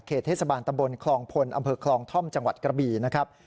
เทศบาลตำบลคลองพลอำเภอคลองท่อมจังหวัดกระบีนะครับ